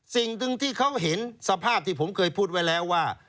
สิ่งหนึ่งที่เขาเห็นสภาพที่ผมเคยพูดไว้แล้วว่า